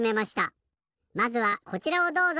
まずはこちらをどうぞ。